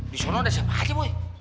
di sono ada siapa aja boy